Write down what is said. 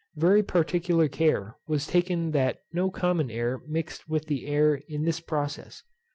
Very particular care was taken that no common air mixed with the acid air in this process.